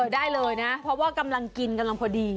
ได้เลยนะเพราะว่ากำลังกินกำลังพอดี